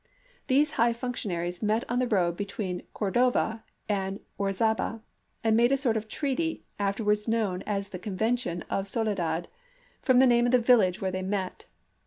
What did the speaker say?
These high functionaries met on the road between Cor dova and Orizaba and made a sort of treaty after wards known as the convention of Soledad, from the name of the village where they met.